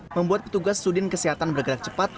membuat petugas sudin kesehatan bergerak cepat